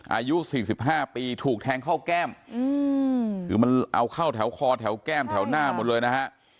อายุ๔๕ปีถูกแทงเข้าแก้มคือมันเอาเข้าแถวคอแถวแก้มแถวหน้าหมดเลยนะฮะ